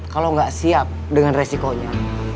kalau nggak siap dengan resikonya